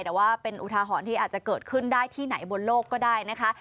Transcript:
แต่ว่าเป็นอุทาหรณ์ที่อาจจะเกิดขึ้นได้ที่ไหนบนโลกก็ได้นะคะ